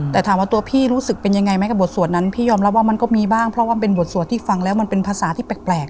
แต่ถามว่าตัวพี่รู้สึกเป็นยังไงไหมกับบทสวดนั้นพี่ยอมรับว่ามันก็มีบ้างเพราะว่ามันเป็นบทสวดที่ฟังแล้วมันเป็นภาษาที่แปลก